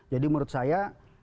jadi menurut saya